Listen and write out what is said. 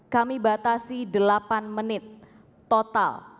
kami batasi delapan menit total